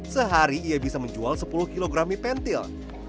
sehari ia bisa menjual sepuluh kg mie pentil